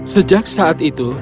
sejak saat itu